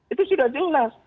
itu sudah jelas